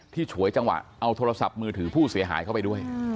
ฉวยจังหวะเอาโทรศัพท์มือถือผู้เสียหายเข้าไปด้วย